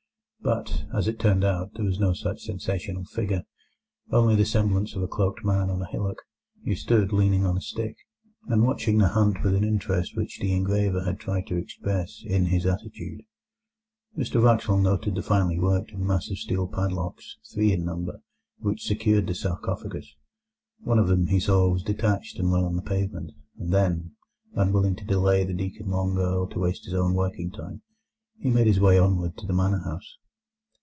But, as it turned out, there was no such sensational figure, only the semblance of a cloaked man on a hillock, who stood leaning on a stick, and watching the hunt with an interest which the engraver had tried to express in his attitude. Mr Wraxall noted the finely worked and massive steel padlocks—three in number—which secured the sarcophagus. One of them, he saw, was detached, and lay on the pavement. And then, unwilling to delay the deacon longer or to waste his own working time, he made his way onward to the manor house.